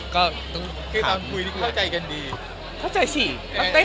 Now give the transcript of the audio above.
ก็ต้องซักคือคุยที่เข้าใจกันดี